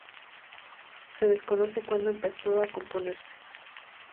Se desconoce cuándo empezó a componerse.